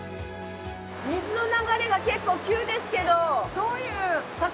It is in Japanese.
水の流れが結構急ですけどどういう魚が通るんですか？